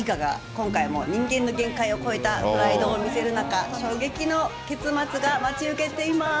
今回も人間の限界を超えたフライトを見せる中、衝撃の結末が待ち受けています。